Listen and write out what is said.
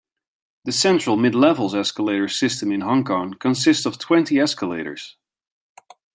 The Central-Midlevels escalator system in Hong Kong consists of twenty escalators.